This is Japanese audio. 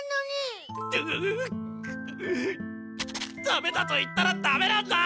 ダメだと言ったらダメなんだ！